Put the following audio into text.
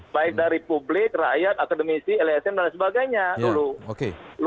baik dari publik rakyat akademisi lsm dan sebagainya dulu